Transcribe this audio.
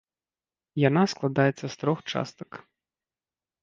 Яна складаецца з трох частак.